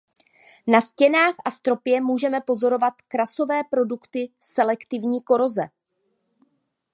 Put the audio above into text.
Na stěnách a stropě můžeme pozorovat krasové produkty selektivní koroze.